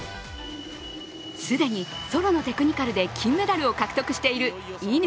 既にソロのテクニカルで金メダルを獲得している乾。